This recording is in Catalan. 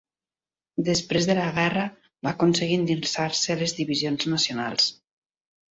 Després de la Guerra va aconseguir endinsar-se a les divisions nacionals.